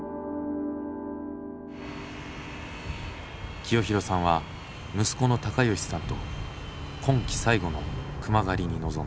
清弘さんは息子の貴吉さんと今季最後の熊狩りに臨んだ。